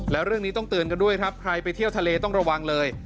แล้วเรื่องนี้ต้องเตือนกันด้วยครับใครไปเที่ยวทะเลต้องระวังเลย